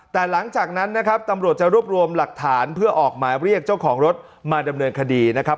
แต่หลังจากนั้นนะครับตำรวจจะรวบรวมหลักฐานเพื่อออกหมายเรียกเจ้าของรถมาดำเนินคดีนะครับ